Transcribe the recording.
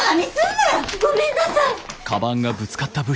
ごめんなさい！